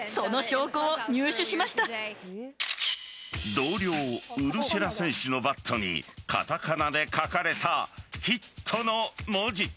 同僚・ウルシェラ選手のバットにカタカナで書かれた「ヒット！！！」の文字。